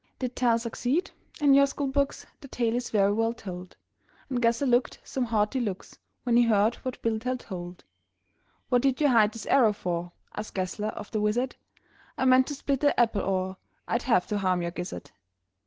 Did Tell succeed? In your school books The tale is very well told, And Gessler looked some haughty looks When he heard what Bill Tell told. "What did you hide this arrow for?" Asked Gessler of the wizard. "I meant to split that apple, or I'd have to harm your gizzard!"